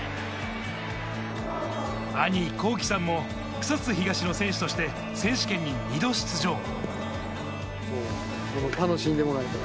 兄・康稀さんも草津東の選手として選手権に２度出場。